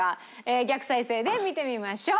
逆再生で見てみましょう。